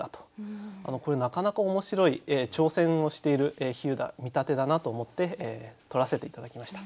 これなかなか面白い挑戦をしている比喩だ見立てだなと思ってとらせて頂きました。